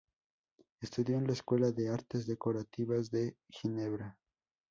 Estudió en la Escuela de Artes Decorativas de Ginebra.